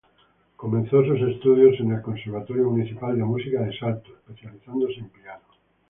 Comenzó sus estudios en el Conservatorio Municipal de Música de Salto, especializándose en piano.